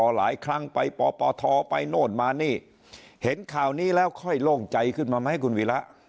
หลายครั้งไปปปทไปโน่นมานี่เห็นข่าวนี้แล้วค่อยโล่งใจขึ้นมาไหมคุณวีระ